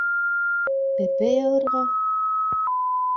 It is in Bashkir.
— Бәпәй алырға?!.